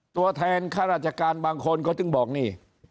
ตัวแทนข้าราชการบางคนเขาถึงบอกนี่